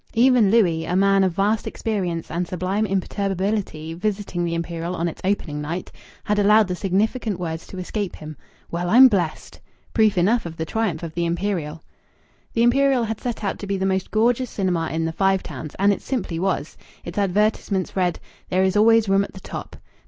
Even Louis, a man of vast experience and sublime imperturbability, visiting the Imperial on its opening night, had allowed the significant words to escape him, "Well, I'm blest!" proof enough of the triumph of the Imperial! The Imperial had set out to be the most gorgeous cinema in the Five Towns; and it simply was. Its advertisements read: "There is always room at the top."